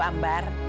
iya bu ambar